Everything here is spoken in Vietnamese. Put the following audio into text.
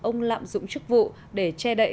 ông lạm dụng chức vụ để che đậy